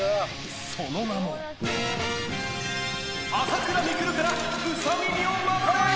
その名も朝倉未来からウサ耳を守れ！